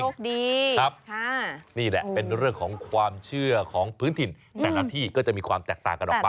นี่แหละเป็นเรื่องของความเชื่อของพื้นถิ่นแต่ละที่ก็จะมีความแตกต่างกันออกไป